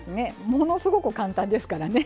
ものすごく簡単ですからね。